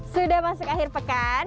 sudah masuk akhir pekan